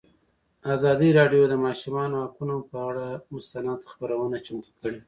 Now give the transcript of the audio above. ازادي راډیو د د ماشومانو حقونه پر اړه مستند خپرونه چمتو کړې.